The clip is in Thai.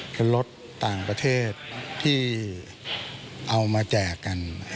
เป็นรถต่างประเทศที่เอามาแจกกัน